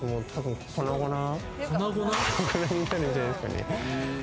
粉々になるんじゃないですかね。